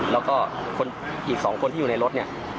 แล้วก็อีก๒คนที่อยู่ในรถ